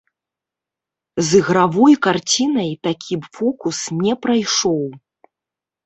З ігравой карцінай такі б фокус не прайшоў.